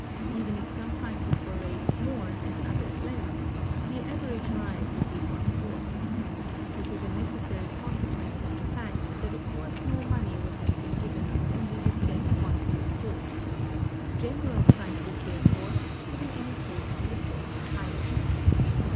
Even if some prices were raised more, and others less, the average rise would be one fourth. This is a necessary consequence of the fact that a fourth more money would have been given for only the same quantity of goods. General prices, therefore, would in any case be a fourth higher.